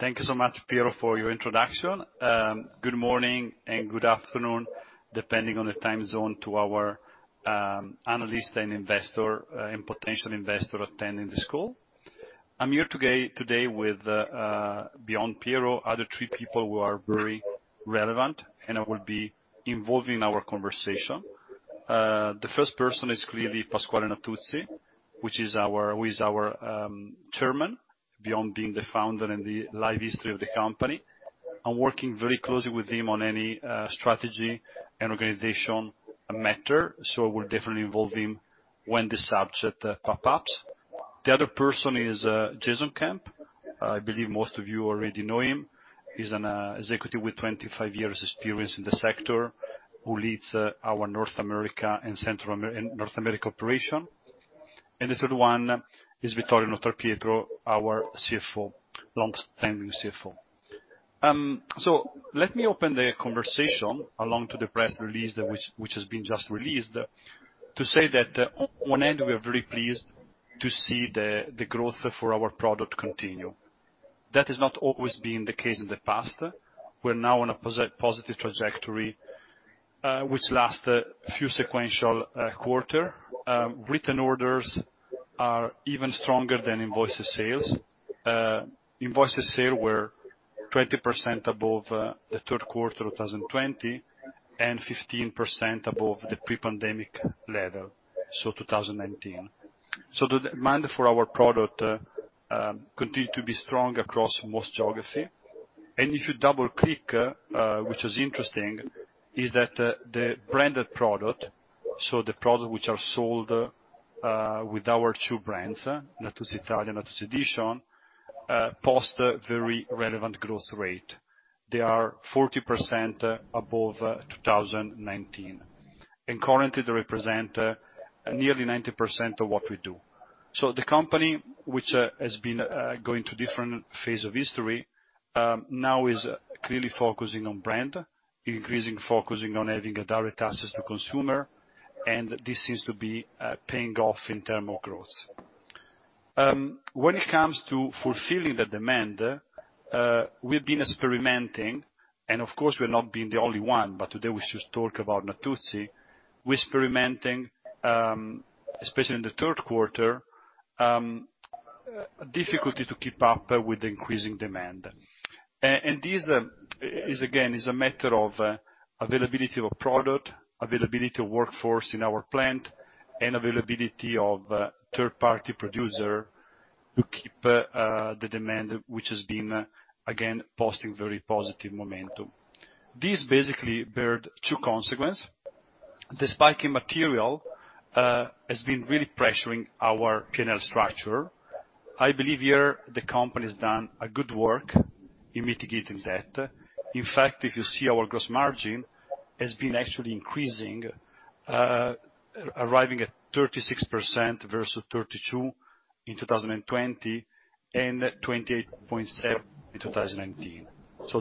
Thank you so much, Piero, for your introduction. Good morning and good afternoon, depending on the time zone, to our analysts and investor, and potential investor attending this call. I'm here today with, beyond Piero, other three people who are very relevant, and I will be involving our conversation. The first person is clearly Pasquale Natuzzi, who is our Chairman, beyond being the founder and the life history of the company. I'm working very closely with him on any strategy and organization matter. We'll definitely involve him when the subject pops up. The other person is Jason Kemp. I believe most of you already know him. He's an executive with 25 years experience in the sector who leads our North America operation. The third one is Vittorio Notarpietro, our CFO, long-standing CFO. Let me open the conversation along to the press release which has been just released, to say that in the end we are very pleased to see the growth for our product continue. That has not always been the case in the past. We're now on a positive trajectory, which last a few sequential quarter. Written orders are even stronger than invoiced sales. Invoiced sales were 20% above the third quarter of 2020, and 15% above the pre-pandemic level, so 2019. The demand for our product continue to be strong across most geography. If you double-click, which is interesting, the branded product, so the product which are sold with our two brands, Natuzzi Italia, Natuzzi Edition, posts a very relevant growth rate. They are 40% above 2019, and currently they represent nearly 90% of what we do. The company, which has been going through different phases of history, now is clearly focusing on brand, increasingly focusing on having a direct access to the consumer, and this seems to be paying off in terms of growth. When it comes to fulfilling the demand, we've been experiencing difficulty to keep up with the increasing demand, and of course, we're not the only one, but today we should talk about Natuzzi, especially in the third quarter. This is again a matter of availability of product, availability of workforce in our plant, and availability of third-party producer to keep the demand which has been again posting very positive momentum. This basically bore two consequences. The spike in material has been really pressuring our P&L structure. I believe here the company has done a good work in mitigating that. In fact, if you see our gross margin has been actually increasing, arriving at 36% versus 32% in 2020, and 28.7% in 2019.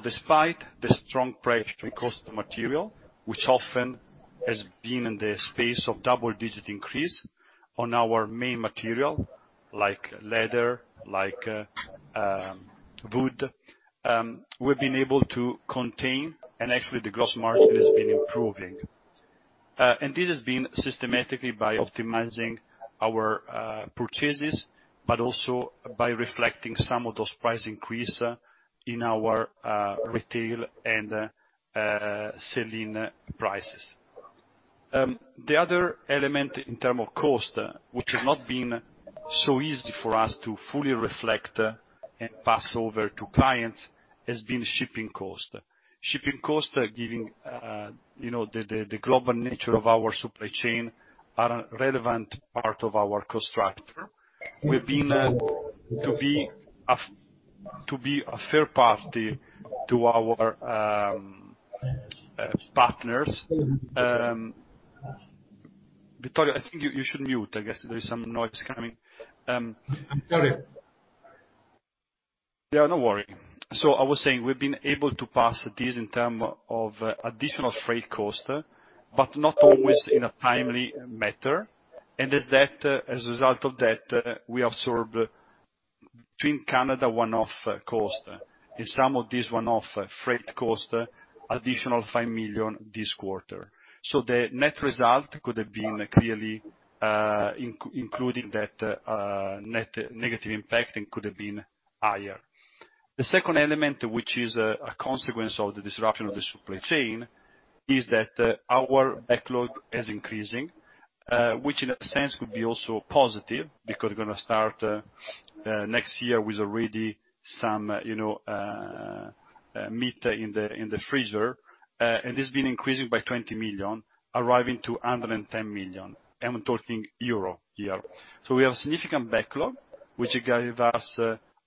Despite the strong pressure across the material, which often has been in the space of double-digit increase on our main material, like leather, like wood, we've been able to contain, and actually the gross margin has been improving. This has been systematically by optimizing our purchases, but also by reflecting some of those price increase in our retail and selling prices. The other element in terms of cost, which has not been so easy for us to fully reflect and pass over to clients, has been shipping cost. Shipping cost, given the global nature of our supply chain, are a relevant part of our cost structure. We've been to be a fair party to our partners. Vittorio, I think you should mute. I guess there is some noise coming. I'm sorry. Yeah, no worry. I was saying, we've been able to pass this in terms of additional freight cost, but not always in a timely manner. As a result of that, we absorbed between Canada one-off cost and some of this one-off freight cost, additional 5 million this quarter. The net result could have been clearly including that net negative impact, and could have been higher. The second element, which is a consequence of the disruption of the supply chain, is that our backlog is increasing, which in a sense could be also positive because we're gonna start next year with already some, you know, meat in the freezer. It's been increasing by 20 million, arriving to 110 million. I'm talking euro here. We have significant backlog, which gave us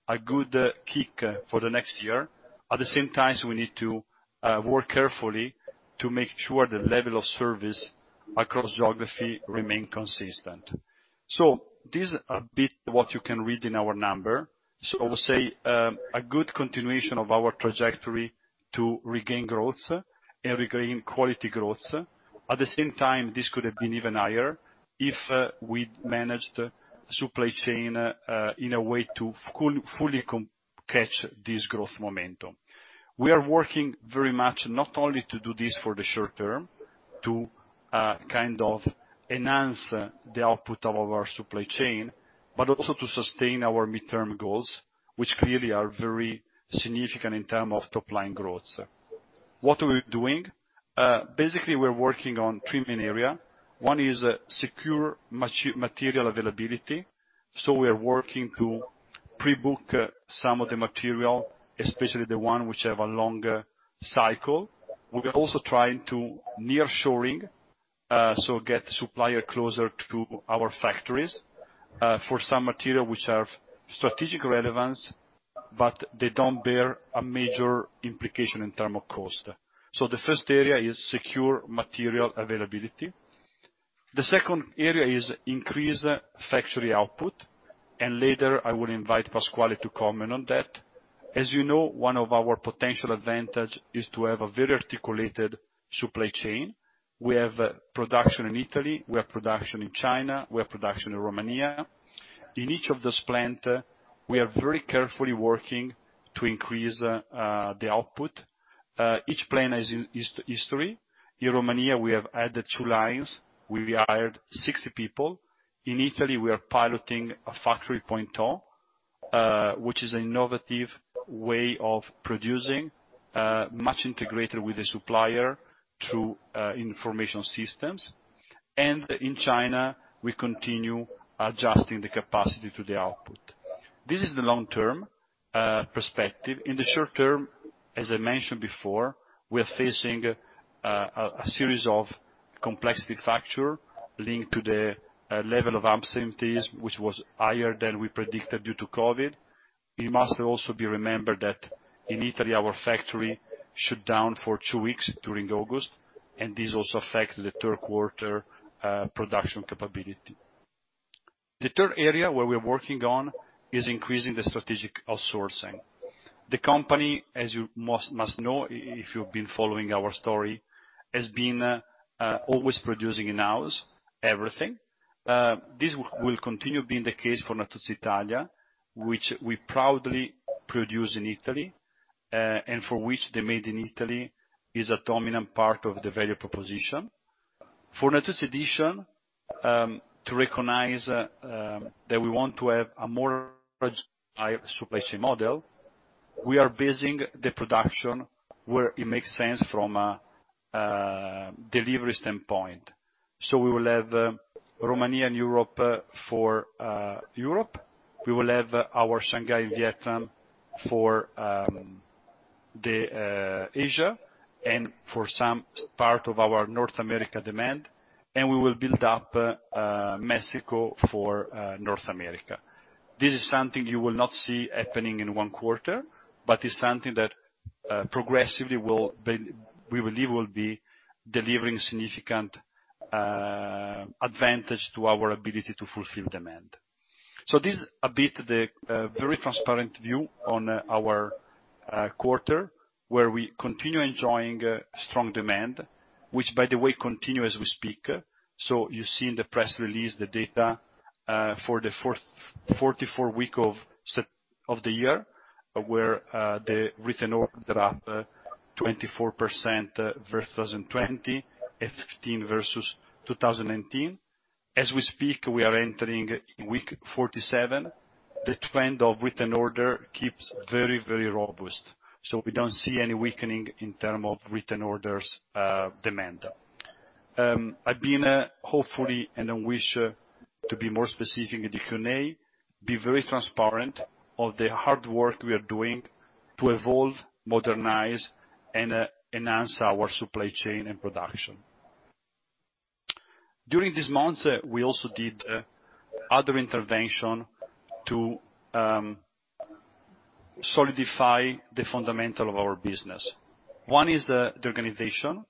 a good kick for the next year. At the same time, we need to work carefully to make sure the level of service across geography remain consistent. This is a bit what you can read in our numbers. I would say a good continuation of our trajectory to regain growth and regain quality growth. At the same time, this could have been even higher if we managed supply chain in a way to catch this growth momentum. We are working very much, not only to do this for the short term, to kind of enhance the output of our supply chain, but also to sustain our midterm goals, which clearly are very significant in terms of top-line growth. What are we doing? Basically, we're working on three main areas. One is secure material availability. We are working to pre-book some of the material, especially the one which have a longer cycle. We are also trying to nearshoring so get the supplier closer to our factories for some material which have strategic relevance, but they don't bear a major implication in term of cost. The first area is secure material availability. The second area is increase factory output, and later I will invite Pasquale to comment on that. As you know, one of our potential advantage is to have a very articulated supply chain. We have production in Italy, we have production in China, we have production in Romania. In each of those plant, we are very carefully working to increase the output. Each plant has history. In Romania, we have added two lines. We hired 60 people. In Italy, we are piloting a factory 4.0, which is innovative way of producing, much integrated with the supplier through information systems. In China, we continue adjusting the capacity to the output. This is the long-term perspective. In the short term, as I mentioned before, we are facing a series of complexity factor linked to the level of absenteeism, which was higher than we predicted due to COVID. We must also be remembered that in Italy, our factory shut down for two weeks during August, and this also affect the third quarter production capability. The third area where we're working on is increasing the strategic outsourcing. The company, as you must know if you've been following our story, has been always producing in-house everything. This will continue being the case for Natuzzi Italia, which we proudly produce in Italy, and for which the Made in Italy is a dominant part of the value proposition. For Natuzzi Edition, to recognize that we want to have a more supply chain model, we are basing the production where it makes sense from a delivery standpoint. We will have Romania, Europe for Europe. We will have our Shanghai and Vietnam for the Asia and for some part of our North America demand, and we will build up Mexico for North America. This is something you will not see happening in one quarter, but it's something that progressively we believe will be delivering significant advantage to our ability to fulfill demand. This is a bit of the very transparent view on our quarter, where we continue enjoying strong demand, which, by the way, continues as we speak. You see in the press release the data for the 44th week of the year, where the written orders are up 24% versus 2015 versus 2018. As we speak, we are entering week 47. The trend of written orders keeps very, very robust. We don't see any weakening in terms of written orders, demand. I've been, hopefully, and I wish to be more specific in the Q&A, very transparent of the hard work we are doing to evolve, modernize, and enhance our supply chain and production. During these months, we also did other interventions to solidify the fundamentals of our business. One is the organization.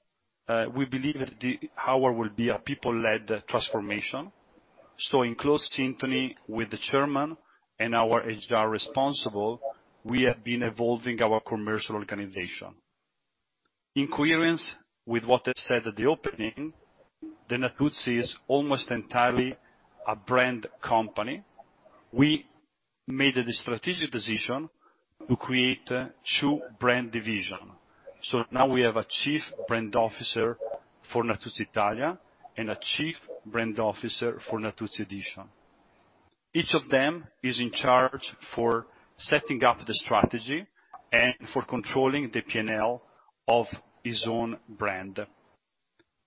We believe that it will be a people-led transformation. In close synergy with the chairman and our HR responsible, we have been evolving our commercial organization. In coherence with what I said at the opening, the Natuzzi is almost entirely a brand company. We made the strategic decision to create two brand division. Now we have a Chief Brand Officer for Natuzzi Italia and a Chief Brand Officer for Natuzzi Edition. Each of them is in charge for setting up the strategy and for controlling the P&L of his own brand,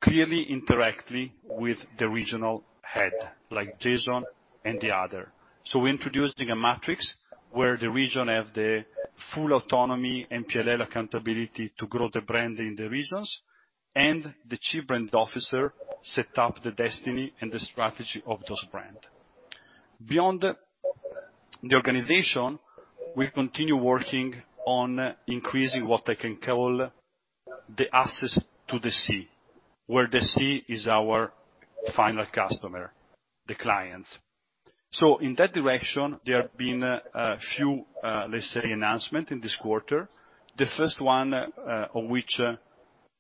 clearly, indirectly with the regional head, like Jason and the other. We're introducing a matrix where the region have the full autonomy and P&L accountability to grow the brand in the regions, and the Chief Brand Officer set up the destiny and the strategy of those brand. Beyond the organization, we continue working on increasing what I can call the access to the C, where the C is our final customer, the clients. In that direction, there have been a few, let's say, announcement in this quarter. The first one of which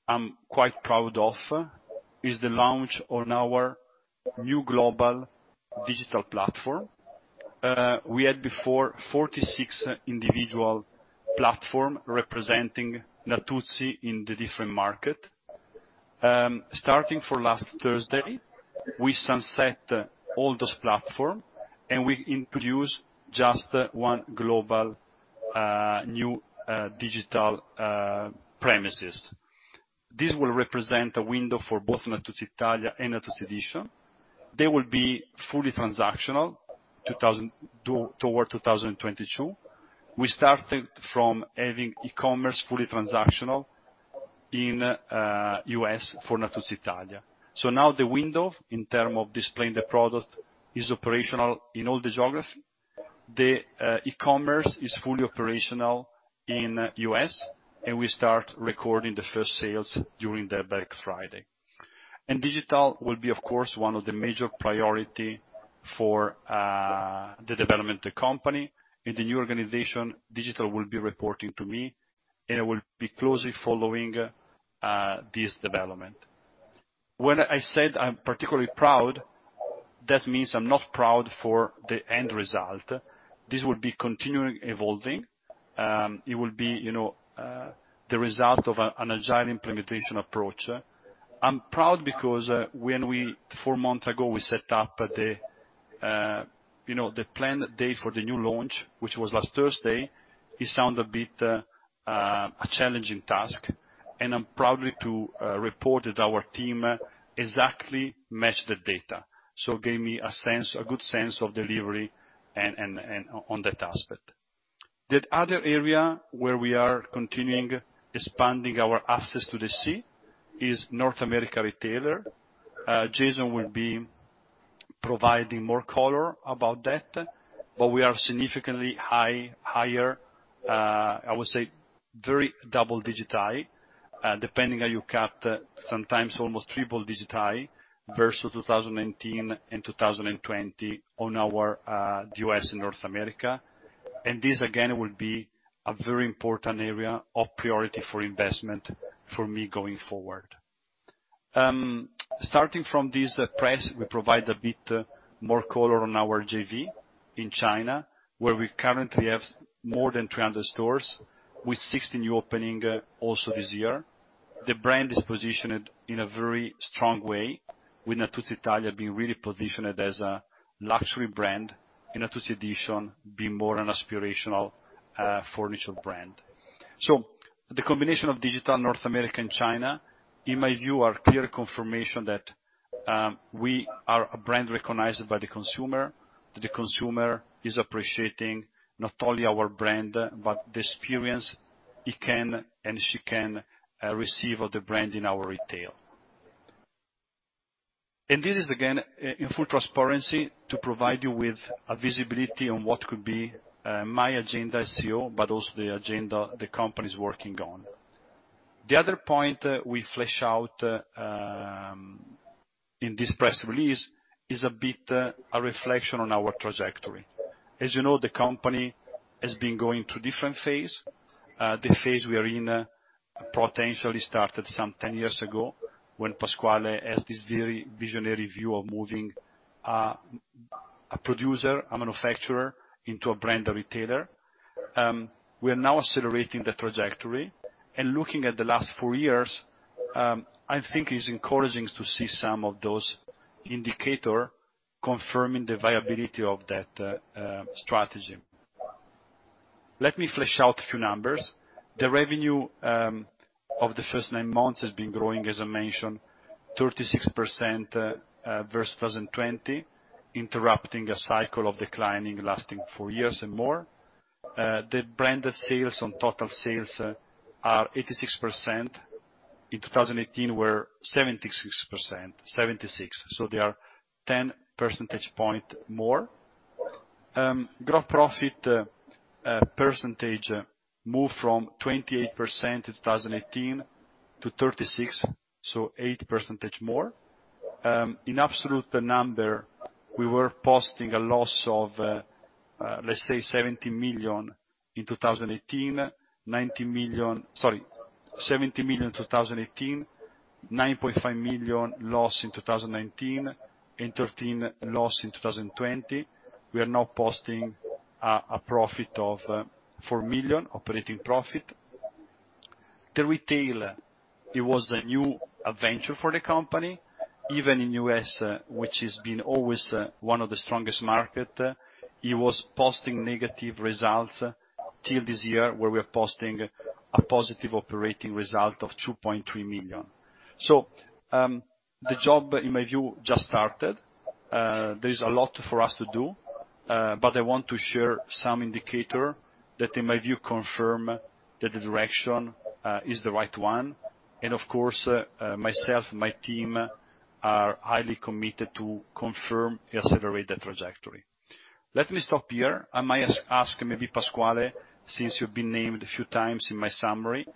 I'm quite proud of is the launch of our new global digital platform. We had before 46 individual platforms representing Natuzzi in the different markets. Starting from last Thursday, we sunset all those platforms, and we introduce just one global new digital presence. This will represent a window for both Natuzzi Italia and Natuzzi Edition. They will be fully transactional toward 2022. We started from having e-commerce fully transactional in U.S. for Natuzzi Italia. Now the window in terms of displaying the product is operational in all the geographies. The e-commerce is fully operational in U.S., and we start recording the first sales during the Black Friday. Digital will be, of course, one of the major priority for the development of the company. In the new organization, digital will be reporting to me, and I will be closely following this development. When I said I'm particularly proud, that means I'm not proud of the end result. This will continue evolving. It will be, you know, the result of an agile implementation approach. I'm proud because, when we four months ago, we set up, you know, the planned date for the new launch, which was last Thursday, it sounded a bit of a challenging task, and I'm proud to report that our team exactly matched the date. It gave me a sense, a good sense of delivery and on that aspect. The other area where we are continuing expanding our access to the sea is North American retailer. Jason will be providing more color about that, but we are significantly higher. I would say very double-digit, depending how you count, sometimes almost triple-digit versus 2019 and 2020 on our U.S. and North America. This again will be a very important area of priority for investment for me going forward. Starting from this press, we provide a bit more color on our JV in China, where we currently have more than 300 stores with 60 new opening also this year. The brand is positioned in a very strong way, with Natuzzi Italia being really positioned as a luxury brand, and Natuzzi Edition being more an aspirational furniture brand. The combination of digital North America and China, in my view, are clear confirmation that we are a brand recognized by the consumer. The consumer is appreciating not only our brand, but the experience he can and she can receive of the brand in our retail. This is, again, in full transparency to provide you with a visibility on what could be my agenda as CEO, but also the agenda the company's working on. The other point we flesh out in this press release is a bit a reflection on our trajectory. As you know, the company has been going through different phase. The phase we are in potentially started some 10 years ago when Pasquale had this very visionary view of moving a producer, a manufacturer into a brand retailer. We are now accelerating the trajectory and looking at the last four years. I think it's encouraging to see some of those indicator confirming the viability of that strategy. Let me flesh out a few numbers. The revenue of the first nine months has been growing, as I mentioned, 36% versus 20% interrupting a cycle of declining lasting four years and more. The branded sales on total sales are 86%. In 2018 they were 76%, so they are 10 percentage point more. Gross profit percentage moved from 28% in 2018 to 36%, so eight percentage more. In absolute number, we were posting a loss of, let's say 70 million in 2018. Sorry, 70 million in 2018, 9.5 million loss in 2019, and 13 million loss in 2020. We are now posting a profit of 4 million operating profit. The retail, it was a new venture for the company, even in U.S., which has been always one of the strongest market. It was posting negative results till this year, where we are posting a positive operating result of 2.3 million. The job in my view just started. There is a lot for us to do, but I want to share some indicator that, in my view, confirm that the direction is the right one. Of course, myself and my team are highly committed to confirm and accelerate the trajectory. Let me stop here. I might ask maybe Pasquale, since you've been named a few times in my summary,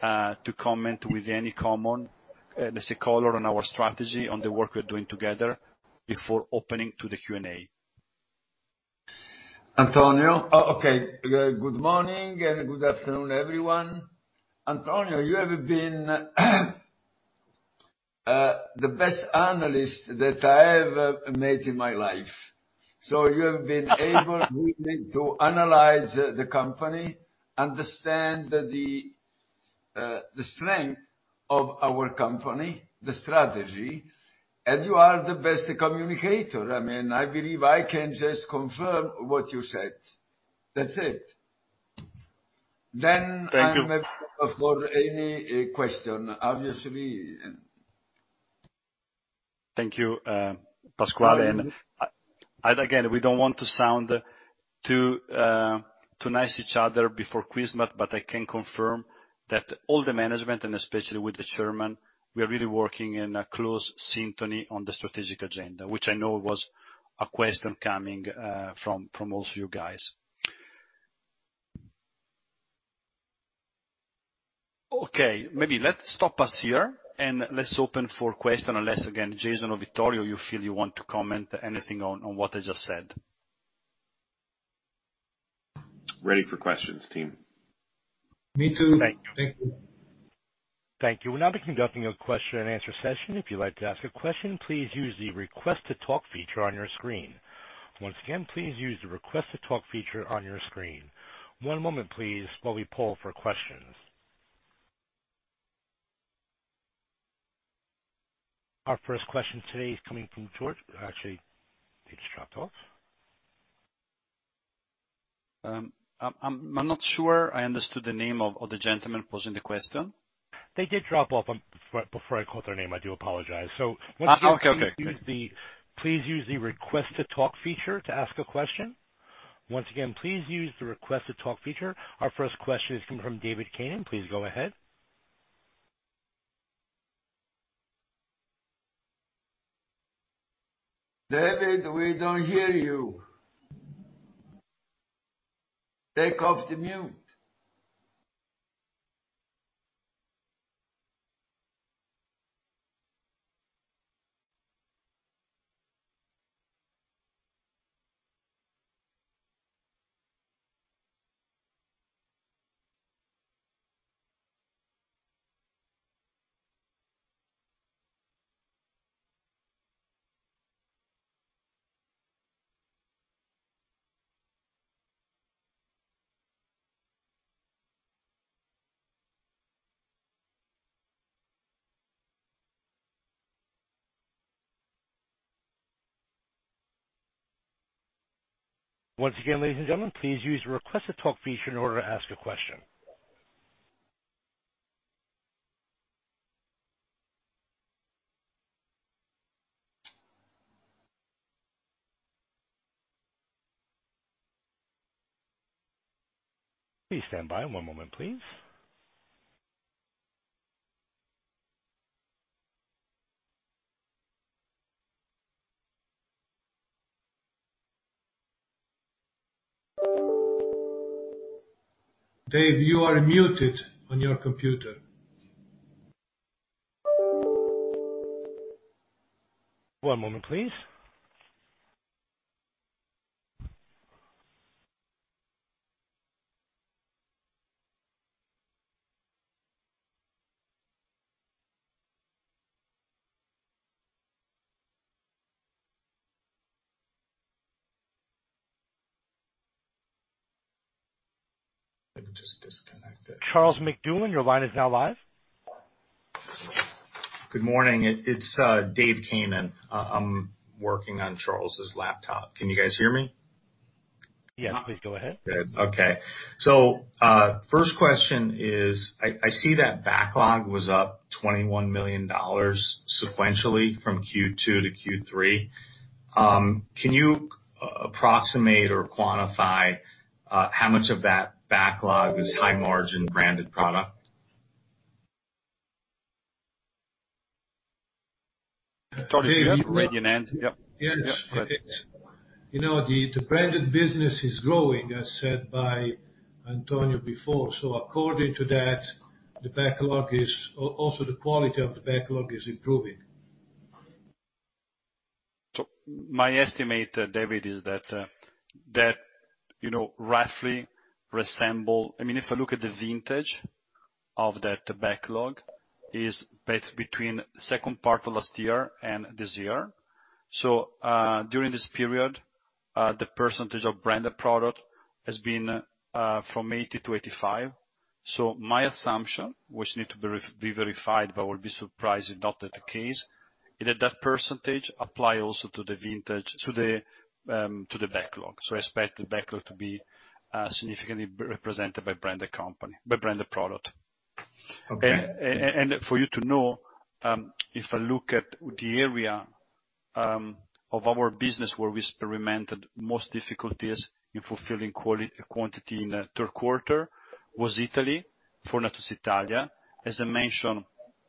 to comment with any comment, let's say, color on our strategy on the work we're doing together before opening to the Q&A. Antonio. Okay. Good morning and good afternoon, everyone. Antonio, you have been the best analyst that I ever met in my life. You have been able with me to analyze the company, understand the strength of our company, the strategy, and you are the best communicator. I mean, I believe I can just confirm what you said. That's it. Thank you. I'm available for any question, obviously. Thank you, Pasquale. We don't want to sound too nice to each other before Christmas, but I can confirm that all the management and especially with the chairman, we are really working in a close symphony on the strategic agenda, which I know was a question coming from most of you guys. Okay. Maybe let's stop here and let's open for questions, unless again, Jason or Vittorio, you feel you want to comment anything on what I just said. Ready for questions, team. Me too. Thank you. Thank you. Thank you. We'll now be conducting a question-and-answer session. If you'd like to ask a question, please use the request to talk feature on your screen. Once again, please use the request to talk feature on your screen. One moment, please, while we poll for questions. Our first question today is coming from George. Actually, they just dropped off. I'm not sure I understood the name of the gentleman posing the question. They did drop off before I caught their name. I do apologize. Once again Oh, okay. Please use the request to talk feature to ask a question. Once again, please use the request to talk feature. Our first question is coming from David Canaan. Please go ahead. David, we don't hear you. Take off the mute. Once again, ladies and gentlemen, please use the request to talk feature in order to ask a question. Please stand by one moment, please. Dave, you are muted on your computer. One moment, please. I can just disconnect it. Charles McDoon, your line is now live. Good morning. It's David Canaan. I'm working on Charles's laptop. Can you guys hear me? Yes, please go ahead. Okay. First question is, I see that backlog was up $21 million sequentially from Q2 to Q3. Can you approximate or quantify how much of that backlog is high-margin branded product? Sorry, Dave. Yes. Ready and end. Yep. Yes. You know, the branded business is growing, as said by Antonio before. According to that, the backlog is also, the quality of the backlog is improving. My estimate, David, is that you know, I mean, if I look at the vintage of that backlog, is between second part of last year and this year. During this period, the percentage of branded product has been from 80%-85%. My assumption, which need to be verified but I will be surprised if not the case, is that that percentage apply also to the vintage of the backlog. I expect the backlog to be significantly represented by branded product. Okay. For you to know, if I look at the area of our business where we experienced most difficulties in fulfilling quantity in the third quarter was Italy, Fornace Italia. As I mentioned,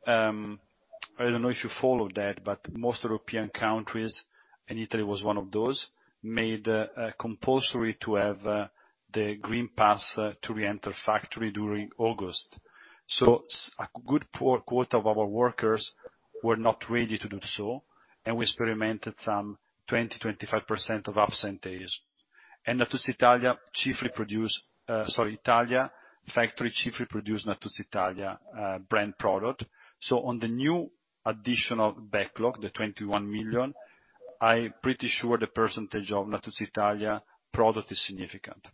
I don't know if you followed that, but most European countries, and Italy was one of those, made it compulsory to have the green pass to re-enter the factory during August. A good portion of our workers were not ready to do so, and we experienced some 20%-25% of absent days. The Italia factory chiefly produces Natuzzi Italia brand product. On the new additional backlog, the 21 million, I'm pretty sure the percentage of Natuzzi Italia product is significant.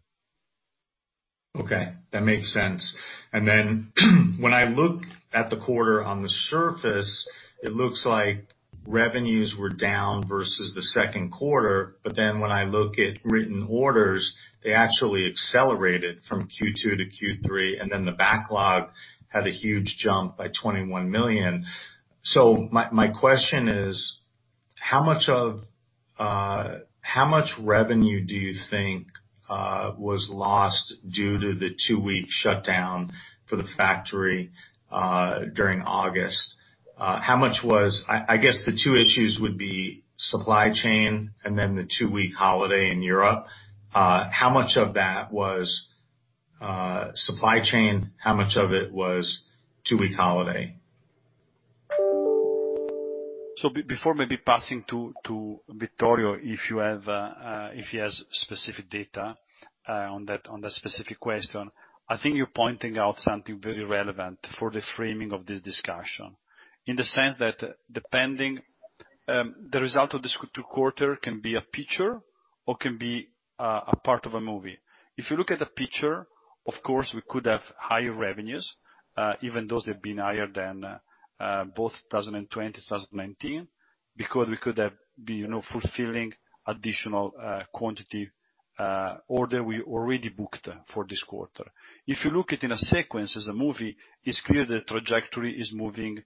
Okay, that makes sense. When I look at the quarter on the surface, it looks like revenues were down versus the second quarter. When I look at written orders, they actually accelerated from Q2 to Q3, and then the backlog had a huge jump by 21 million. My question is, how much revenue do you think was lost due to the two-week shutdown for the factory during August? I guess the two issues would be supply chain and then the two-week holiday in Europe. How much of that was supply chain? How much of it was two-week holiday? Before maybe passing to Vittorio, if he has specific data on that specific question. I think you're pointing out something very relevant for the framing of this discussion. In the sense that depending on the result of this quarter can be a picture or can be a part of a movie. If you look at the picture, of course, we could have higher revenues even those that have been higher than both 2020 and 2019, because we could have been, you know, fulfilling additional quantity order we already booked for this quarter. If you look at it in a sequence as a movie, it's clear the trajectory is moving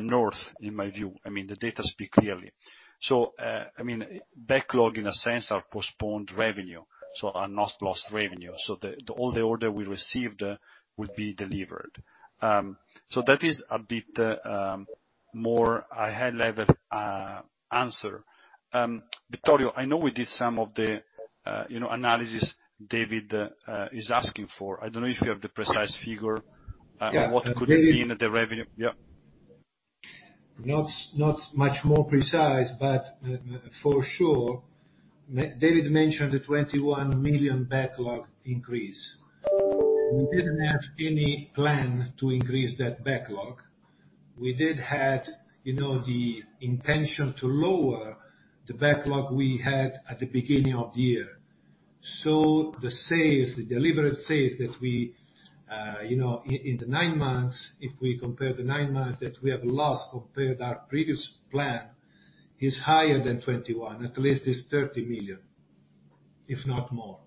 north, in my view. I mean, the data speak clearly. I mean, backlog, in a sense, are postponed revenue, so are not lost revenue. All the order we received will be delivered. That is a bit more a high-level answer. Vittorio, I know we did some of the, you know, analysis David is asking for. I don't know if you have the precise figure of what could have been the revenue. Yeah. Not much more precise, but for sure. David mentioned the 21 million backlog increase. We didn't have any plan to increase that backlog. We did have, you know, the intention to lower the backlog we had at the beginning of the year. The sales, the deliberate sales that we, in the nine months, if we compare the nine months that we have lost compared our previous plan, is higher than 21. At least it's 30 million, if not more.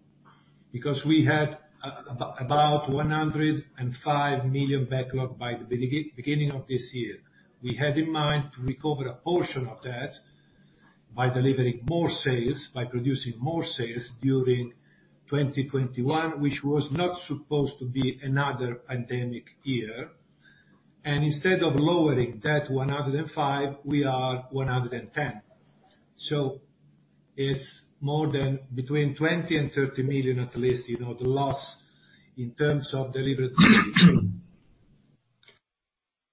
Because we had about 105 million backlog by the beginning of this year. We had in mind to recover a portion of that by delivering more sales, by producing more sales during 2021, which was not supposed to be another pandemic year. Instead of lowering that 105, we are 110. It's more than between 20 million and 30 million, at least, you know, the loss in terms of deliberate sales.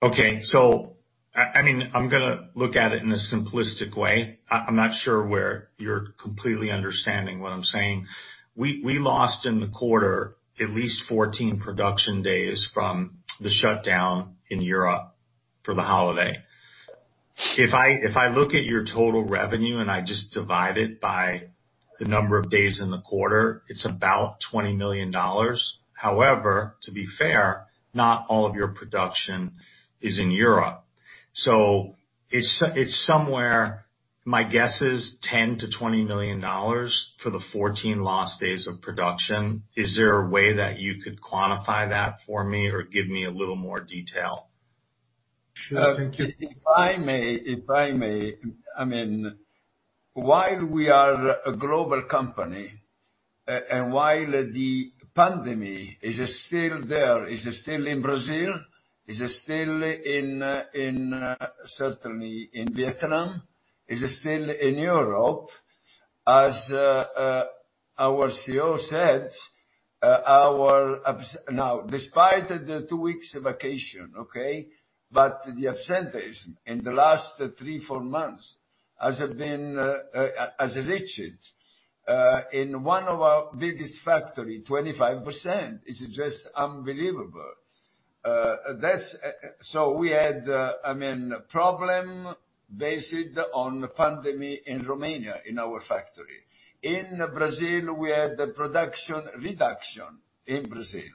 Okay. I mean, I'm gonna look at it in a simplistic way. I'm not sure whether you're completely understanding what I'm saying. We lost, in the quarter, at least 14 production days from the shutdown in Europe for the holiday. If I look at your total revenue and I just divide it by the number of days in the quarter, it's about $20 million. However, to be fair, not all of your production is in Europe. It's somewhere, my guess is $10 million-$20 million for the 14 lost days of production. Is there a way that you could quantify that for me or give me a little more detail? Sure. Thank you. If I may, I mean, while we are a global company, and while the pandemic is still there, is still in Brazil, is still in certainly in Vietnam, is still in Europe, as our CEO said, our absent days. Now, despite the 2 weeks of vacation, but the absent days in the last 3, 4 months has been, as Richard in one of our biggest factory, 25%. It's just unbelievable. So we had, I mean, a problem based on the pandemic in Romania, in our factory. In Brazil, we had the production reduction in Brazil.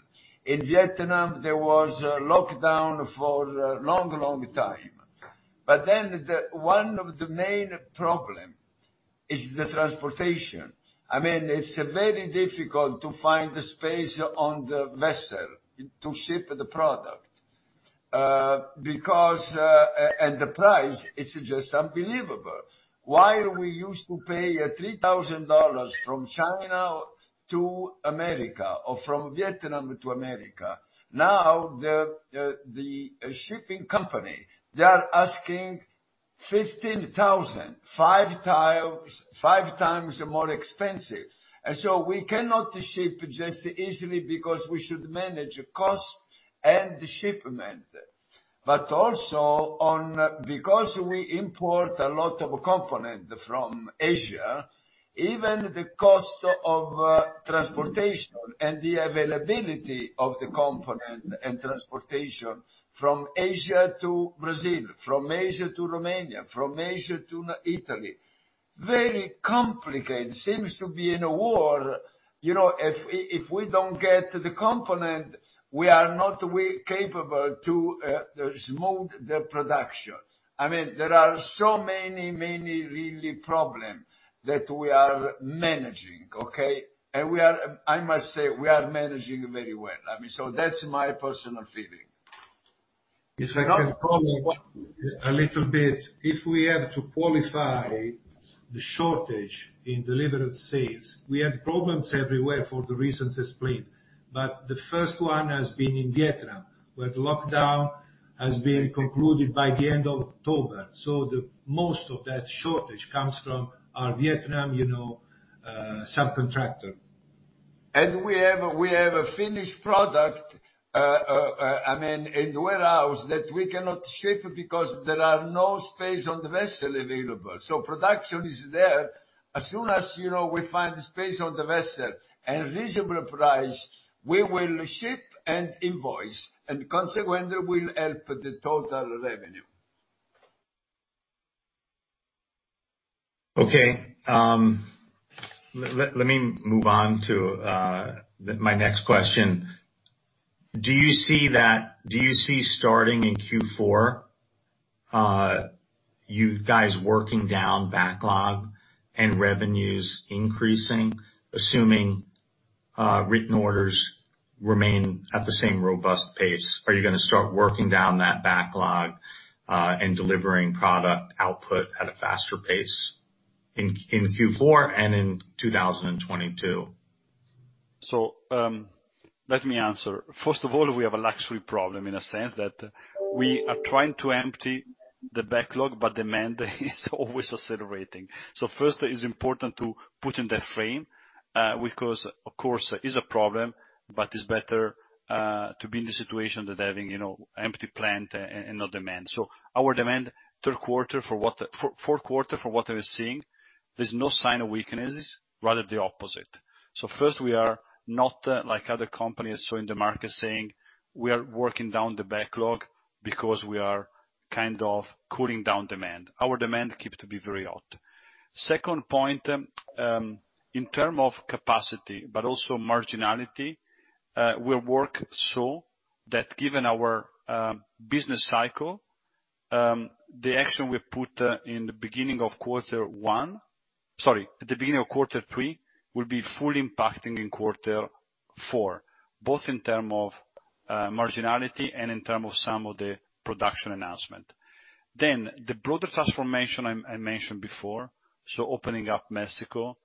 In Vietnam, there was a lockdown for a long time. One of the main problem is the transportation. I mean, it's very difficult to find the space on the vessel to ship the product. Because the price, it's just unbelievable. While we used to pay $3,000 from China to America or from Vietnam to America, now the shipping company, they are asking $15,000. Five times more expensive. We cannot ship just easily because we should manage cost and the shipment. Also, because we import a lot of component from Asia, even the cost of transportation and the availability of the component and transportation from Asia to Brazil, from Asia to Romania, from Asia to Italy, very complicated. Seems to be in a war. You know, if we don't get the component, we are not capable to smooth the production. I mean, there are so many really problem that we are managing, okay? I must say, we are managing very well. I mean, that's my personal feeling. If I can comment a little bit. If we have to qualify the shortage in delivered sales, we had problems everywhere for the reasons explained. The first one has been in Vietnam, where the lockdown has been concluded by the end of October. The most of that shortage comes from our Vietnam, you know, subcontractor. We have a finished product, I mean, in the warehouse that we cannot ship because there are no space on the vessel available. Production is there. As soon as, you know, we find the space on the vessel and reasonable price, we will ship and invoice, and consequently will help the total revenue. Okay, let me move on to my next question. Do you see starting in Q4, you guys working down backlog and revenues increasing, assuming written orders remain at the same robust pace? Are you gonna start working down that backlog, and delivering product output at a faster pace in Q4 and in 2022? Let me answer. First of all, we have a luxury problem in a sense that we are trying to empty the backlog, but demand is always accelerating. First, it's important to put in the frame, because of course is a problem, but it's better to be in the situation than having, you know, empty plant and no demand. Our demand fourth quarter for what we're seeing, there's no sign of weaknesses, rather the opposite. First, we are not like other companies who in the market saying, "We are working down the backlog because we are kind of cooling down demand." Our demand keep to be very hot. Second point, in terms of capacity, but also marginality, we work so that given our business cycle, the action we put at the beginning of quarter three will be fully impacting in quarter four, both in terms of marginality and in terms of some of the production announcement. The broader transformation I mentioned before, opening up Mexico,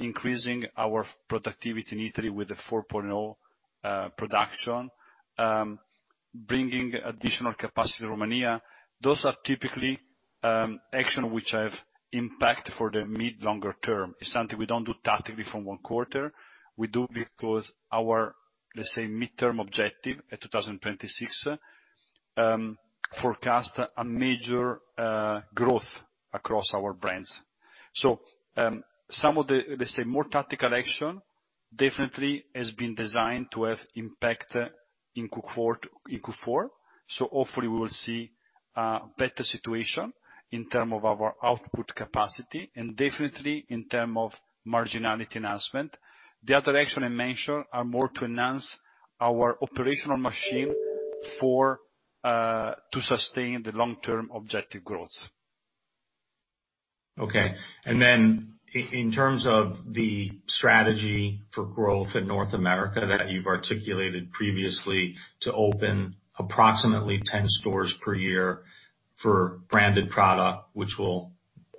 increasing our productivity in Italy with the 4.0 production, bringing additional capacity to Romania. Those are typically action which have impact for the mid longer term. It's something we don't do tactically from one quarter. We do because our, let's say, midterm objective at 2026 forecast a major growth across our brands. Some of the, let's say, more tactical action definitely has been designed to have impact in Q4. Hopefully we will see a better situation in terms of our output capacity, and definitely in terms of marginality announcement. The other action I mentioned are more to enhance our operational machine for to sustain the long-term objective growth. Okay. In terms of the strategy for growth in North America that you've articulated previously to open approximately 10 stores per year for branded product, which will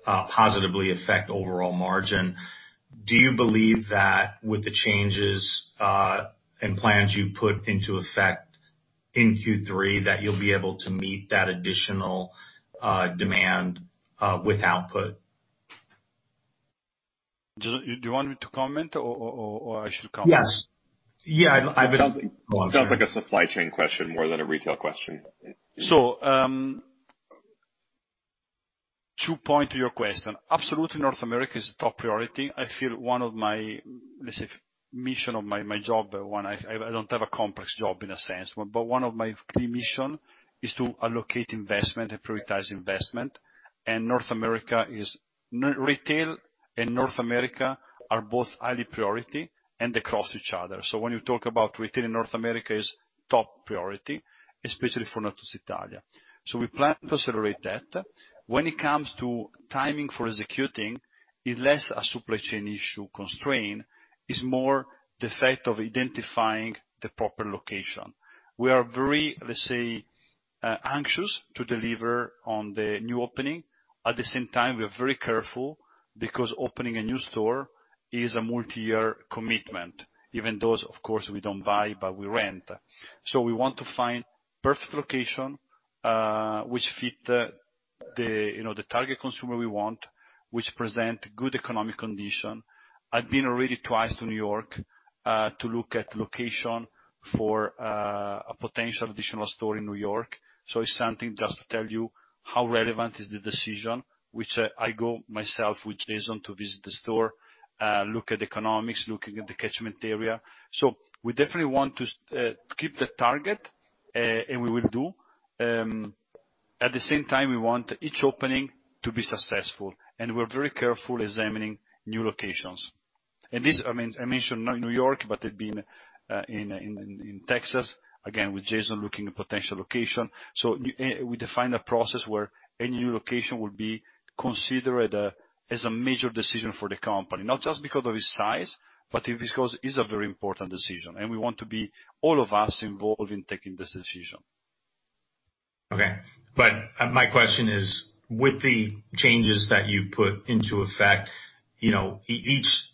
positively affect overall margin, do you believe that with the changes and plans you've put into effect in Q3, that you'll be able to meet that additional demand with output? Do you want me to comment or I should comment? Yes. Yeah, I will- Sounds like a supply chain question more than a retail question. To point to your question. Absolutely, North America is top priority. I feel one of my, let's say, mission of my job, when I don't have a complex job in a sense, but one of my key mission is to allocate investment and prioritize investment. North America and retail are both high priority and across each other. When you talk about retail in North America is top priority, especially for Autostrada. We plan to accelerate that. When it comes to timing for executing, it's less a supply chain issue constraint, it's more the fact of identifying the proper location. We are very, let's say, anxious to deliver on the new opening. At the same time, we are very careful because opening a new store is a multiyear commitment. Even though, of course, we don't buy, but we rent. We want to find perfect location, which fit the, you know, the target consumer we want, which present good economic condition. I've been already twice to New York, to look at location for a potential additional store in New York. It's something just to tell you how relevant is the decision which I go myself with Jason to visit the store, look at economics, looking at the catchment area. We definitely want to keep the target, and we will do. At the same time, we want each opening to be successful, and we're very careful examining new locations. This, I mean, I mentioned now New York, but they've been in Texas, again, with Jason looking at potential location. We define a process where any new location will be considered as a major decision for the company, not just because of its size, but because it's a very important decision, and we want to be, all of us, involved in taking this decision. My question is, with the changes that you've put into effect, you know,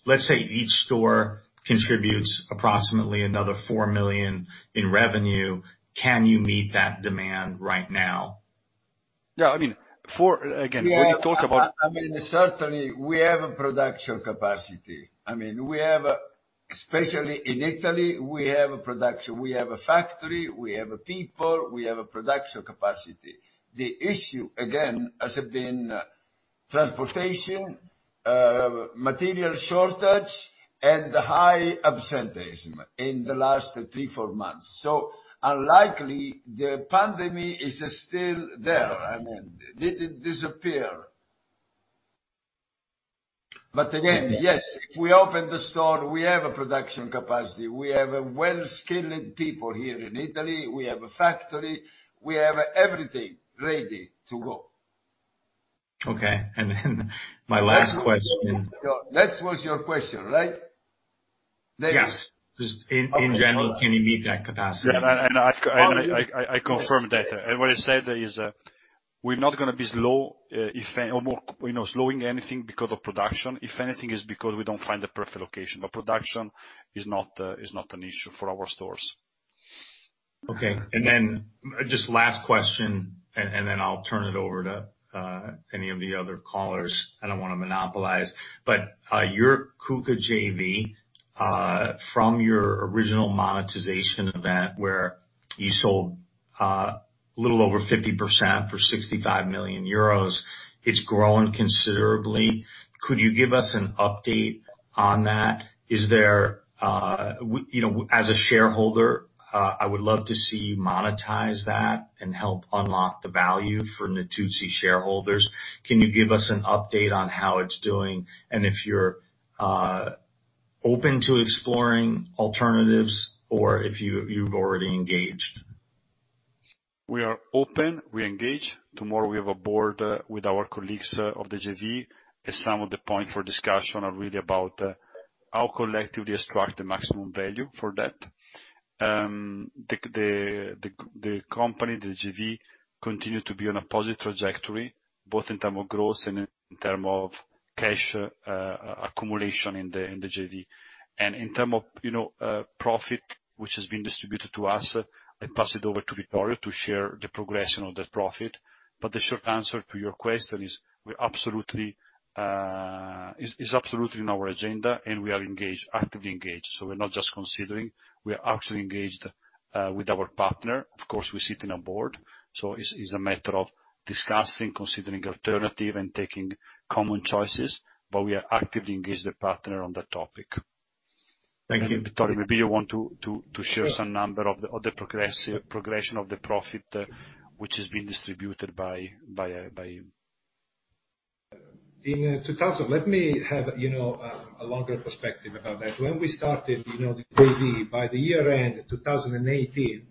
let's say each store contributes approximately another 4 million in revenue, can you meet that demand right now? Yeah, I mean, for, again, when you talk about. Yeah, I mean, certainly we have a production capacity. I mean, we have, especially in Italy, we have a production. We have a factory, we have people, we have a production capacity. The issue, again, has been transportation, material shortage, and high absenteeism in the last 3-4 months. Unlikely, the pandemic is still there, I mean. It didn't disappear. But again, yes, if we open the store, we have a production capacity. We have well-skilled people here in Italy, we have a factory, we have everything ready to go. Okay. My last question. That was your question, right? David? Yes. Just in general. Okay. Can you meet that capacity? Yeah. I confirm that. What I said is, we're not gonna be slow if anything, you know, slowing anything because of production. If anything, it's because we don't find the perfect location. Production is not an issue for our stores. Okay. Then just last question, and then I'll turn it over to any of the other callers. I don't wanna monopolize. But your KUKA JV from your original monetization event where you sold a little over 50% for 65 million euros, it's grown considerably. Could you give us an update on that? Is there you know, as a shareholder, I would love to see you monetize that and help unlock the value for Natuzzi shareholders. Can you give us an update on how it's doing, and if you're open to exploring alternatives or if you've already engaged? We are open. We engage. Tomorrow, we have a board with our colleagues of the JV, and some of the points for discussion are really about how collectively extract the maximum value for that. The company, the JV continues to be on a positive trajectory, both in terms of growth and in terms of cash accumulation in the JV. In terms of, you know, profit, which has been distributed to us, I pass it over to Vittorio to share the progression of that profit. The short answer to your question is we absolutely. It's absolutely in our agenda, and we are engaged, actively engaged. We're not just considering. We are actively engaged with our partner. Of course, we sit on a board, so it's a matter of discussing, considering alternatives and taking common choices, but we are actively engaged with the partner on that topic. Thank you. Vittorio, maybe you want to share some numbers on the progression of the profit, which is being distributed by. Let me have, you know, a longer perspective about that. When we started the JV, by year-end 2018,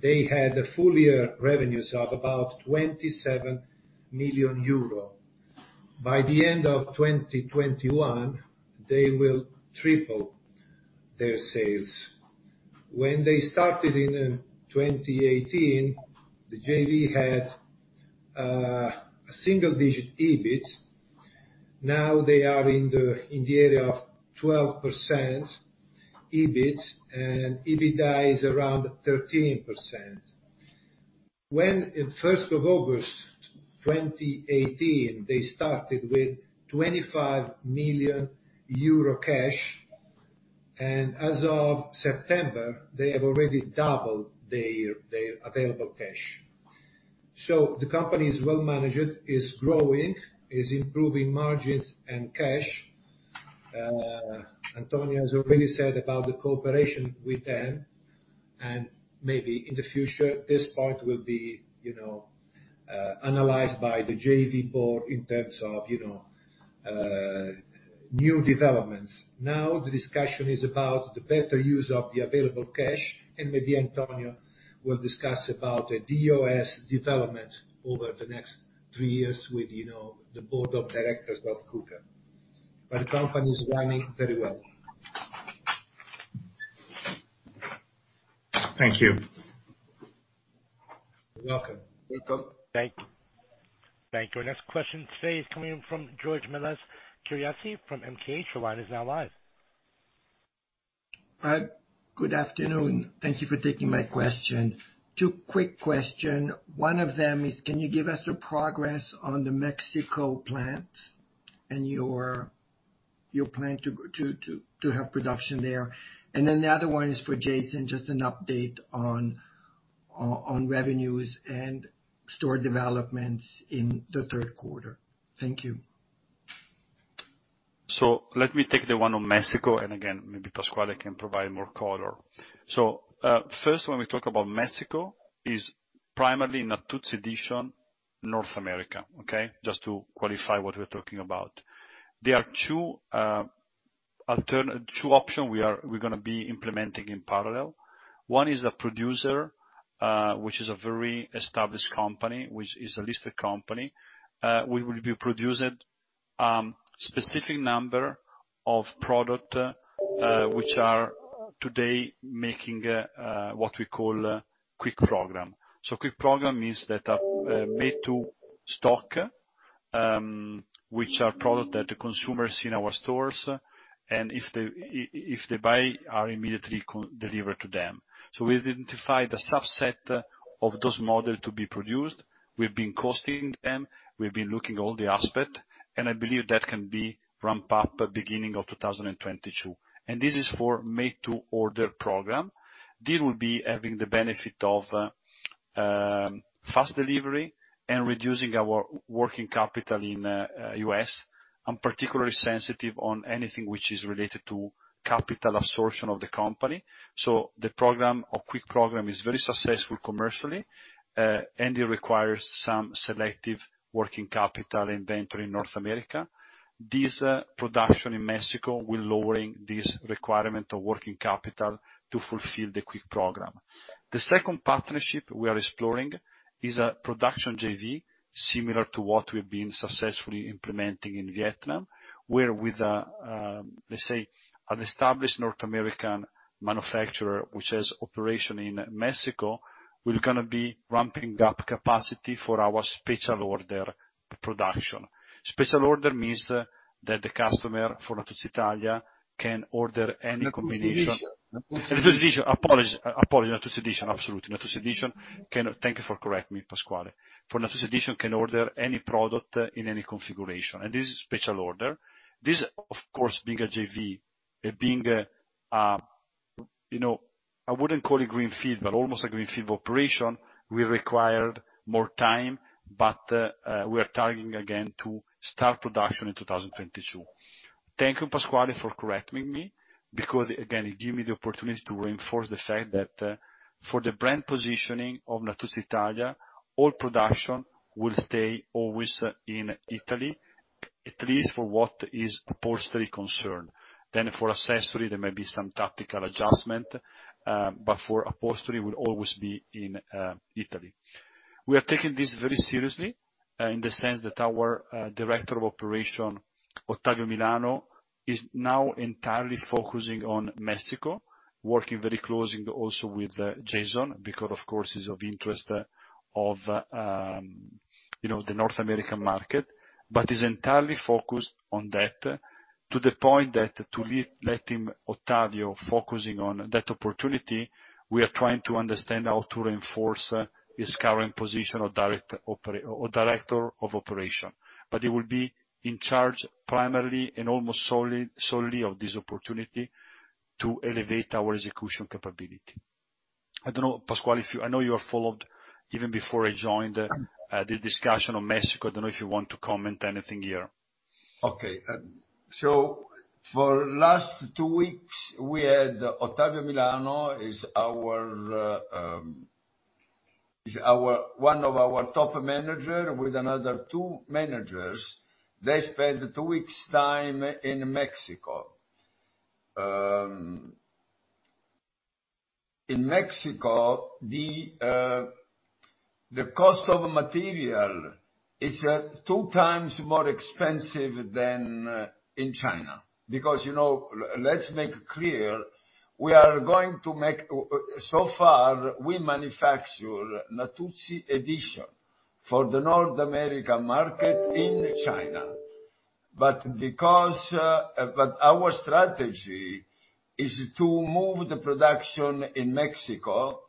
they had full-year revenues of about 27 million euro. By the end of 2021, they will triple their sales. When they started in 2018, the JV had a single-digit EBIT. Now they are in the area of 12% EBIT, and EBITDA is around 13%. When, in the first of August 2018, they started with 25 million euro cash, and as of September, they have already doubled their available cash. The company is well-managed, is growing, is improving margins and cash. Antonio has already said about the cooperation with them, and maybe in the future, this part will be, you know, analyzed by the JV board in terms of, you know, new developments. Now, the discussion is about the better use of the available cash, and maybe Antonio will discuss about a DOS development over the next three years with, you know, the board of directors of KUKA. The company is running very well. Thank you. You're welcome. Thank you. Thank you. Our next question today is coming from George Melas-Kyriazi from MKH. Your line is now live. Good afternoon. Thank you for taking my question. Two quick question. One of them is, can you give us a progress on the Mexico plant and your plan to have production there? The other one is for Jason, just an update on revenues and store developments in the third quarter. Thank you. Let me take the one on Mexico, and again, maybe Pasquale can provide more color. First, when we talk about Mexico is primarily Natuzzi Edition North America, okay? Just to qualify what we're talking about. There are two option we're gonna be implementing in parallel. One is a producer, which is a very established company, which is a listed company. We will be producing specific number of product, which are today making what we call Quick Ship program. Quick Ship program means that made to stock, which are product that the consumers see in our stores, and if they buy, are immediately delivered to them. We identified a subset of those models to be produced. We've been costing them, we've been looking all the aspects, and I believe that can be ramped up by beginning of 2022. This is for made to order program. This will be having the benefit of fast delivery and reducing our working capital in U.S. I'm particularly sensitive on anything which is related to capital absorption of the company. The program or quick program is very successful commercially, and it requires some selective working capital inventory in North America. This production in Mexico will lower this requirement of working capital to fulfill the quick program. The second partnership we are exploring is a production JV, similar to what we've been successfully implementing in Vietnam, where with a let's say, an established North American manufacturer which has operations in Mexico, we're gonna be ramping up capacity for our special order production. Special order means that the customer for Natuzzi Italia can order any combination. Natuzzi Edition. Natuzzi Edition, absolutely. Natuzzi Edition can. Thank you for correcting me, Pasquale. For Natuzzi Edition can order any product in any configuration, and this is special order. This, of course, being a JV, it being, I wouldn't call it greenfield, but almost a greenfield operation will require more time, but we are targeting again to start production in 2022. Thank you, Pasquale, for correcting me, because again, it give me the opportunity to reinforce the fact that for the brand positioning of Natuzzi Italia, all production will stay always in Italy, at least for what is upholstery concerned. For accessory, there may be some tactical adjustment, but for upholstery will always be in Italy. We are taking this very seriously in the sense that our Director of Operations, Ottavio Milano, is now entirely focusing on Mexico, working very closely also with Jason, because of course, he's of interest to the North American market. He's entirely focused on that, to the point that letting Ottavio focusing on that opportunity, we are trying to understand how to reinforce his current position of Director of Operations. He will be in charge primarily and almost solely of this opportunity to elevate our execution capability. I don't know, Pasquale, if you want to comment. I know you have followed even before I joined the discussion on Mexico. I don't know if you want to comment anything here. Okay. For last two weeks, we had Ottavio Milano is our one of our top manager with another two managers. They spent two weeks time in Mexico. In Mexico, the cost of material is two times more expensive than in China. Because, you know, let's make clear, so far, we manufacture Natuzzi Edition for the North American market in China. But our strategy is to move the production in Mexico,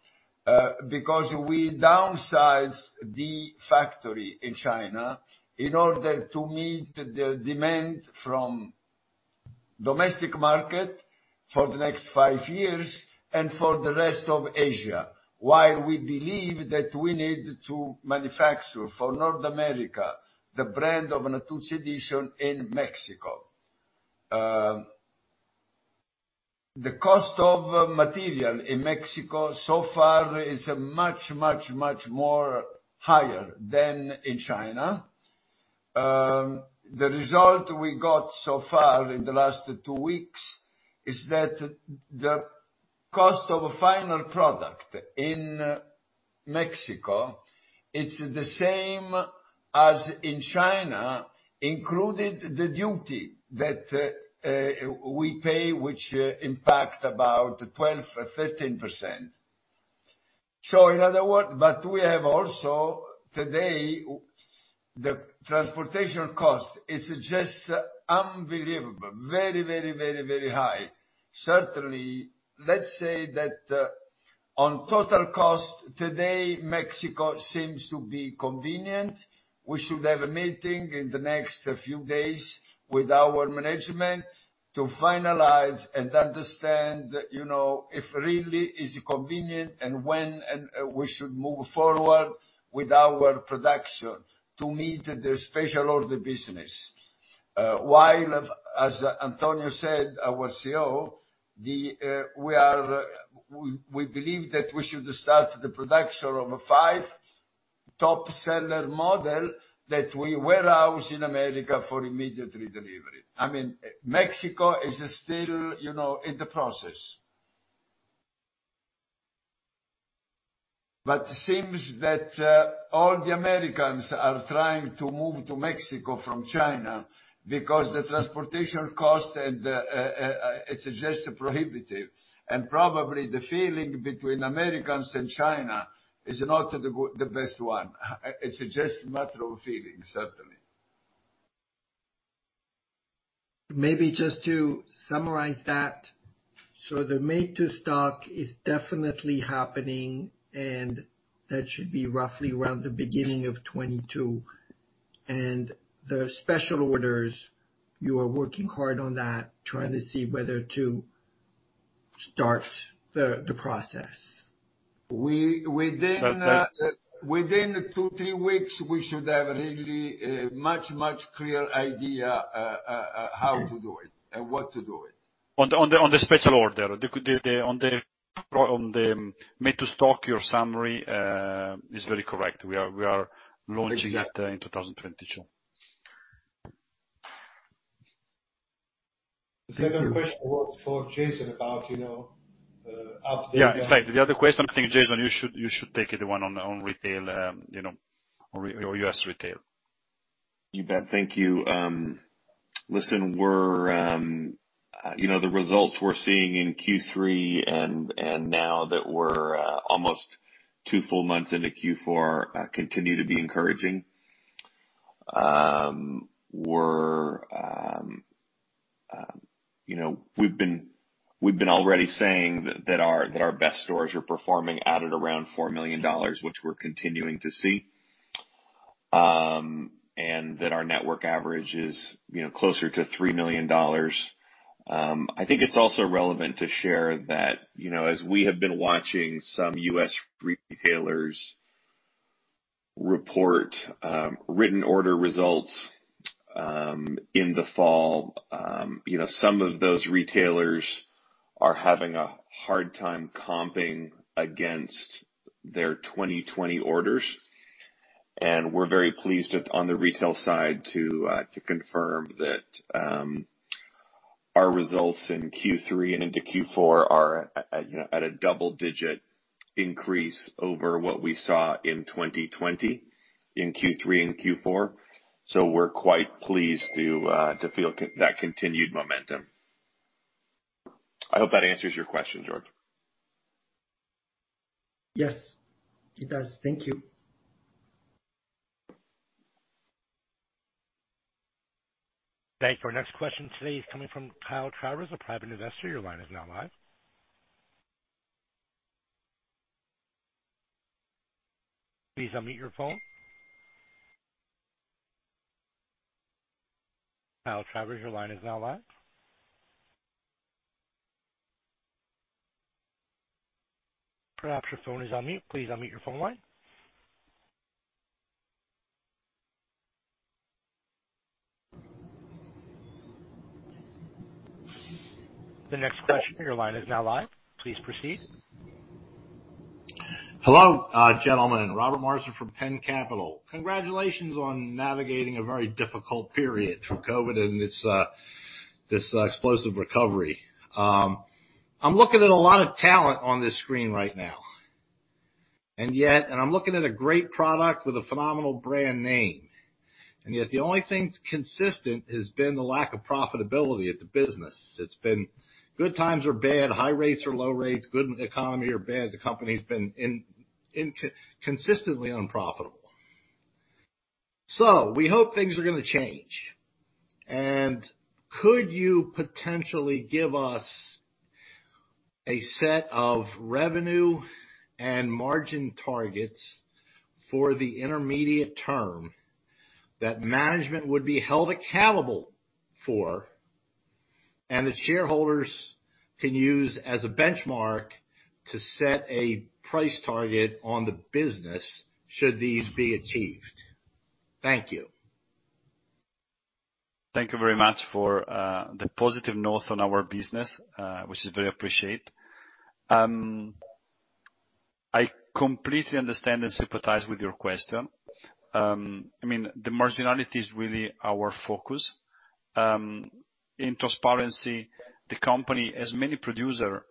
because we downsized the factory in China in order to meet the demand from domestic market for the next five years and for the rest of Asia, while we believe that we need to manufacture for North America, the brand of Natuzzi Edition, in Mexico. The cost of material in Mexico so far is much more higher than in China. The result we got so far in the last two weeks is that the cost of a final product in Mexico, it's the same as in China, included the duty that we pay, which impacts about 12 or 13%. In other words, we have also today, the transportation cost is just unbelievable. Very high. Certainly, let's say that on total cost, today, Mexico seems to be convenient. We should have a meeting in the next few days with our management to finalize and understand, you know, if really is convenient, and when and we should move forward with our production to meet the special order business. While, as Antonio, our CEO, said, we believe that we should start the production of five top seller model that we warehouse in America for immediate redelivery. I mean, Mexico is still, you know, in the process. It seems that all the Americans are trying to move to Mexico from China because the transportation cost and the, it's just prohibitive. Probably the feeling between Americans and China is not the best one. It's just natural feeling, certainly. Maybe just to summarize that, so the make to stock is definitely happening, and that should be roughly around the beginning of 2022. The special orders, you are working hard on that, trying to see whether to start the process. Within two-three weeks, we should have really a much clearer idea how to do it and what to do it. On the special order. On the make to stock, your summary is very correct. We are launching it in 2022. Thank you. The other question was for Jason about, you know, update. Yeah, it's like the other question, I think, Jason, you should take it, the one on retail, you know, or U.S. retail. You bet. Thank you. Listen, we're, you know, the results we're seeing in Q3 and now that we're almost two full months into Q4 continue to be encouraging. We're, you know, we've been already saying that our best stores are performing out at around $4 million, which we're continuing to see. And that our network average is, you know, closer to $3 million. I think it's also relevant to share that, you know, as we have been watching some U.S. retailers report written order results in the fall, you know, some of those retailers are having a hard time comping against their 2020 orders. We're very pleased on the retail side to confirm that our results in Q3 and into Q4 are at, you know, at a double-digit increase over what we saw in 2020 in Q3 and Q4. We're quite pleased to feel that continued momentum. I hope that answers your question, George. Yes, it does. Thank you. Thank you. Our next question today is coming from Kyle Travers, a private investor. Your line is now live. Please unmute your phone. Kyle Travers, your line is now live. Perhaps your phone is on mute. Please unmute your phone line. The next question, your line is now live. Please proceed. Hello, gentlemen. Robert Morrison from Penn Capital. Congratulations on navigating a very difficult period through COVID and this explosive recovery. I'm looking at a lot of talent on this screen right now, and yet I'm looking at a great product with a phenomenal brand name. Yet the only thing consistent has been the lack of profitability of the business. It's been good times or bad, high rates or low rates, good economy or bad, the company's been consistently unprofitable. We hope things are gonna change. Could you potentially give us a set of revenue and margin targets for the intermediate term that management would be held accountable for and the shareholders can use as a benchmark to set a price target on the business should these be achieved? Thank you. Thank you very much for the positive note on our business, which is very appreciated. I completely understand and sympathize with your question. I mean, the marginality is really our focus. In transparency, the company, as many producers,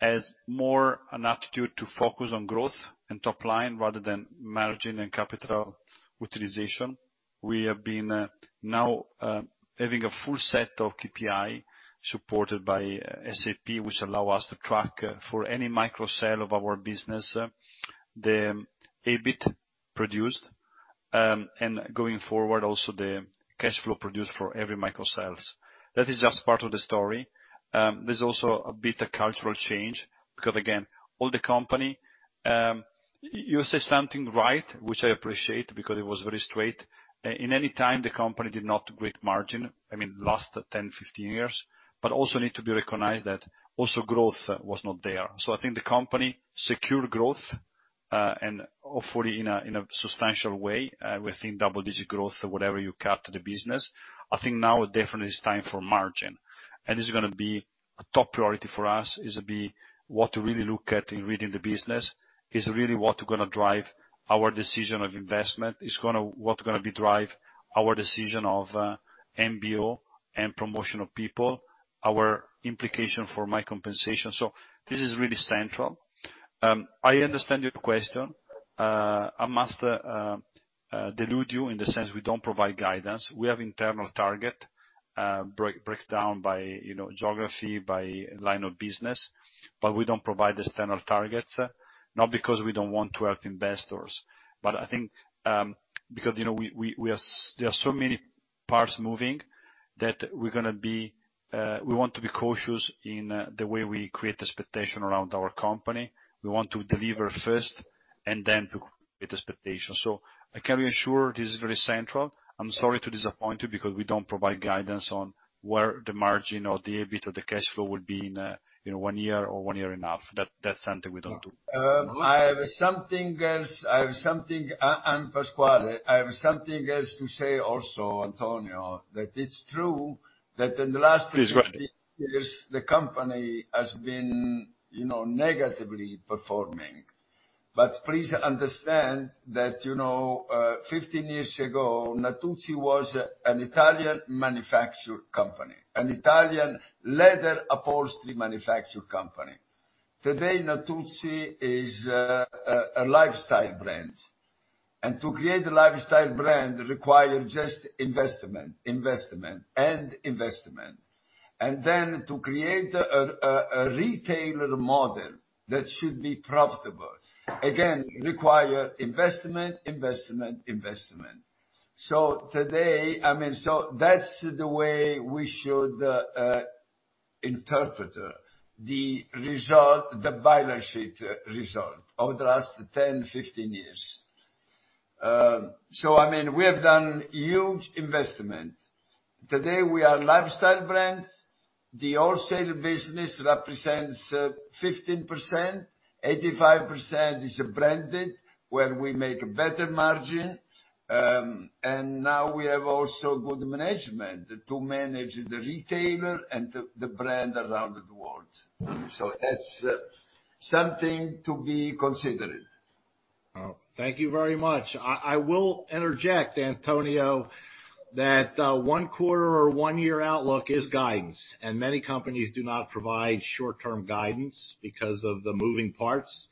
has more of an attitude to focus on growth and top line rather than margin and capital utilization. We have been now having a full set of KPIs supported by SAP, which allows us to track for any micro sale of our business, the EBIT produced, and going forward, also the cash flow produced for every micro sales. That is just part of the story. There's also a bit of cultural change because again, all the company. You say something right, which I appreciate because it was very straight. At any time, the company didn't get great margins, I mean, last 10, 15 years, but it also needs to be recognized that growth was not there. I think the company secure growth, and hopefully in a substantial way, we think double-digit growth or whatever you want for the business. I think now definitely it's time for margins, and this is gonna be a top priority for us, it's what we really look at in running the business. It's really what's gonna drive our decision of investment. It's gonna be what drives our decision of MBO and promotions for people, the implications for my compensation. This is really central. I understand your question. I must disappoint you in the sense we don't provide guidance. We have internal target, breakdown by, you know, geography, by line of business, but we don't provide the standard targets, not because we don't want to help investors, but I think, because, you know, there are so many parts moving that we're gonna be, we want to be cautious in, the way we create expectation around our company. We want to deliver first and then to create expectation. I can reassure it is very central. I'm sorry to disappoint you because we don't provide guidance on where the margin or the EBIT or the cash flow would be in one year or one year and half. That's something we don't do. I have something else. I have something. Pasquale, I have something else to say also, Antonio, that it's true that in the last Please go ahead. For years the company has been, you know, negatively performing. Please understand that, you know, 15 years ago, Natuzzi was an Italian manufacturer company, an Italian leather upholstery manufacturer company. Today, Natuzzi is a lifestyle brand. To create a lifestyle brand require just investment and investment. To create a retailer model that should be profitable, again, require investment, investment. Today I mean, that's the way we should interpret the result, the balance sheet result over the last 10, 15 years. I mean, we have done huge investment. Today, we are a lifestyle brand. The wholesale business represents 15%. 85% is branded, where we make better margin. Now we have also good management to manage the retailer and the brand around the world. That's something to be considered. Oh, thank you very much. I will interject, Antonio, that one quarter or one year outlook is guidance, and many companies do not provide short-term guidance because of the moving parts.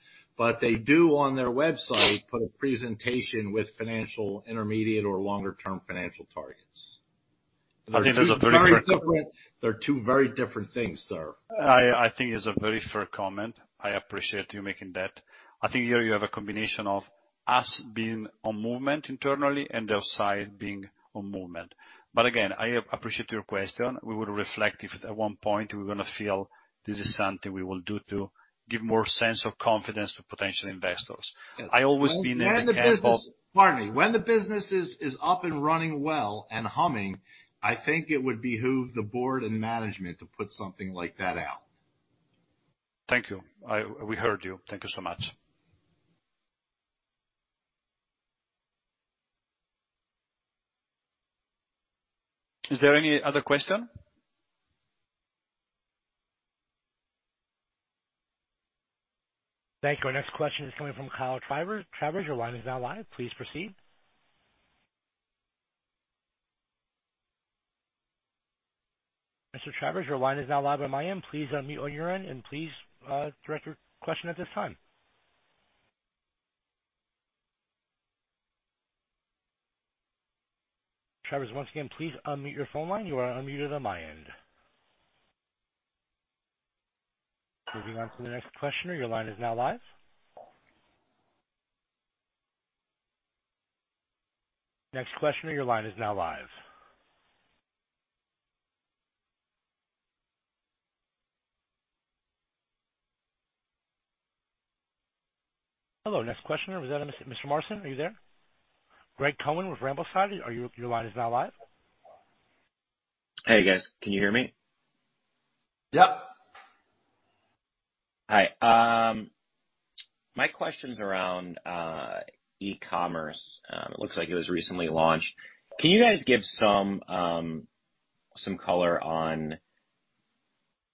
They do on their website put a presentation with financial intermediate or longer term financial targets. I think that's a very fair com- They're two very different things, sir. I think it's a very fair comment. I appreciate you making that. I think here you have a combination of us being on movement internally and the other side being on movement. Again, I appreciate your question. We would reflect if at one point we're gonna feel this is something we will do to give more sense of confidence to potential investors. I always been in the camp of When the business is up and running well and humming, I think it would behoove the board and management to put something like that out. Thank you. We heard you. Thank you so much. Is there any other question? Thank you. Our next question is coming from Kyle Travers. Travers, your line is now live. Please proceed. Mr. Travers, your line is now live on my end. Please unmute on your end, and please direct your question at this time. Travers, once again, please unmute your phone line. You are unmuted on my end. Moving on to the next questioner. Your line is now live. Next questioner, your line is now live. Hello, next questioner. Mr. Morrison, are you there? Greg Cohen with Rambo5. Are you? Your line is now live. Hey, guys. Can you hear me? Yep. Hi. My question's around e-commerce. It looks like it was recently launched. Can you guys give some color on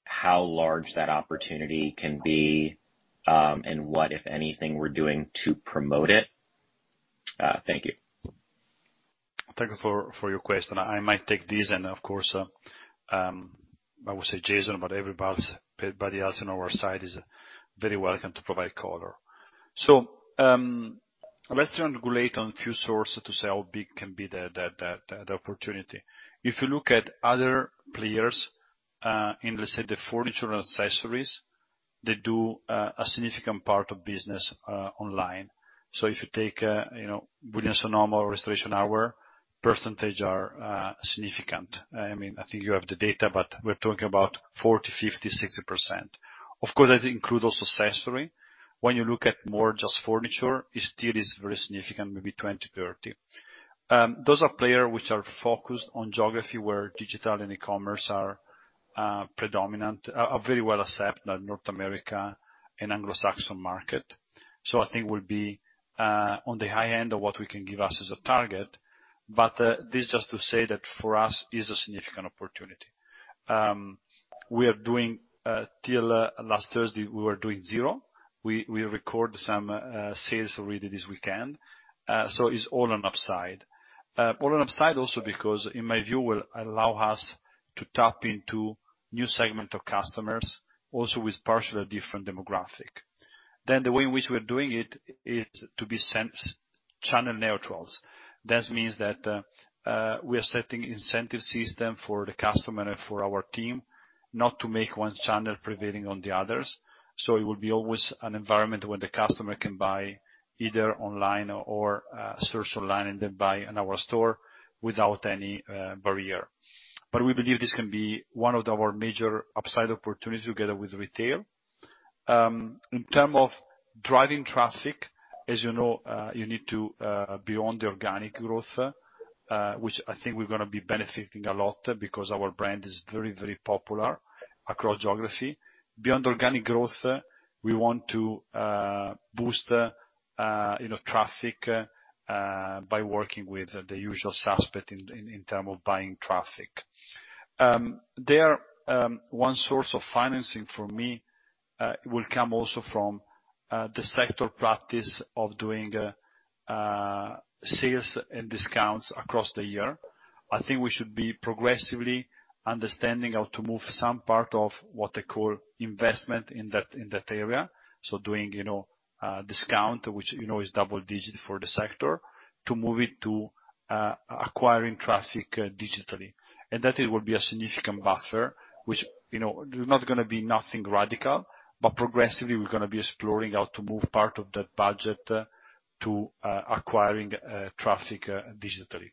How large that opportunity can be, and what, if anything, we're doing to promote it? Thank you. Thank you for your question. I might take this and of course, I will say Jason, but everybody else on our side is very welcome to provide color. Let's elaborate on few sources to say how big can be the opportunity. If you look at other players in, let's say, the furniture and accessories, they do a significant part of business online. If you take, you know, Williams-Sonoma or Restoration Hardware, percentages are significant. I mean, I think you have the data, but we're talking about 40, 50, 60%. Of course, that include also accessory. When you look at more just furniture, it still is very significant, maybe 20, 30. Those are players which are focused on geographies, where digital and e-commerce are predominant, are very well accepted in North America and Anglo-Saxon markets. I think we'll be on the high end of what we can give as a target. This is just to say that for us is a significant opportunity. Up until last Thursday, we were doing zero. We record some sales already this weekend. It's all on upside. It's all on upside also because in my view, it will allow us to tap into new segment of customers also with partially different demographic. The way in which we're doing it is to be omnichannel neutral. That means that we are setting incentive system for the customer and for our team not to make one channel prevailing on the others. It will be always an environment where the customer can buy either online or search online and then buy in our store without any barrier. We believe this can be one of our major upside opportunities together with retail. In terms of driving traffic, as you know, you need to beyond the organic growth, which I think we're gonna be benefiting a lot because our brand is very, very popular across geography. Beyond organic growth, we want to boost, you know, traffic by working with the usual suspects in terms of buying traffic. There, one source of financing for me will come also from the sector practice of doing sales and discounts across the year. I think we should be progressively understanding how to move some part of what I call investment in that, in that area. Doing, you know, discount, which, you know, is double digit for the sector to move it to, acquiring traffic digitally. That it will be a significant buffer, which, you know, not gonna be nothing radical, but progressively we're gonna be exploring how to move part of that budget to, acquiring traffic digitally.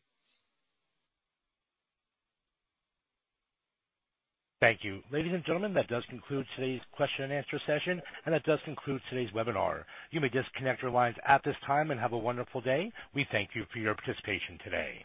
Thank you. Ladies and gentlemen, that does conclude today's question and answer session, and that does conclude today's webinar. You may disconnect your lines at this time and have a wonderful day. We thank you for your participation today.